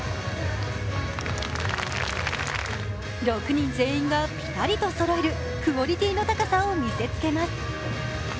６人全員がぴたりとそろえるクオリティーの高さを見せつけます。